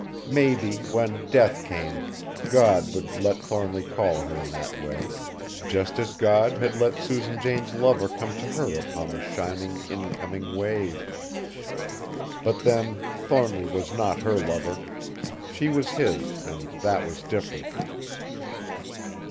Maybe, when death came, God would let Thornly call her in that way, just as God had let Susan Jane's lover come to her upon the shining, incoming wave! But then Thornly was not her lover; she was his and that was different!